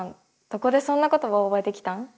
どこでそんな言葉覚えてきたん？